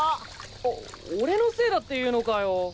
お俺のせいだって言うのかよ。